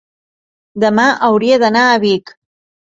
demà hauria d'anar a Vic.